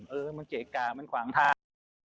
เออมันเกะกะมันขวางทาง